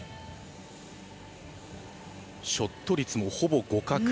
ショット率もほぼ互角。